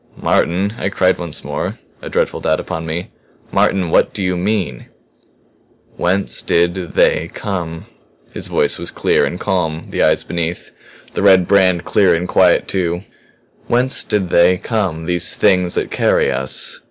"Martin," I cried once more, a dreadful doubt upon me. "Martin what do you mean?" "Whence did They come?" His voice was clear and calm, the eyes beneath the red brand clear and quiet, too. "Whence did They come these Things that carry us?